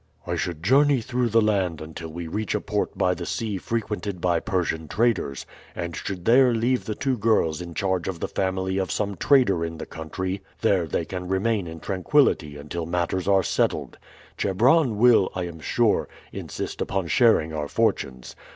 "I should journey through the land until we reach a port by the sea frequented by Persian traders, and should there leave the two girls in charge of the family of some trader in that country; there they can remain in tranquillity until matters are settled. Chebron will, I am sure, insist upon sharing our fortunes.